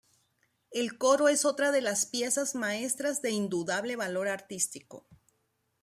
El coro es otra de las piezas maestras de indudable valor artístico.